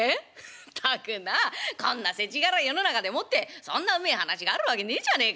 ったくなこんなせちがらい世の中でもってそんなうめえ話があるわけねえじゃねえか。